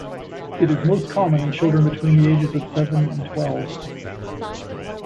It is most common in children between the ages of seven and twelve.